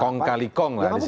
kong kali kong lah di situ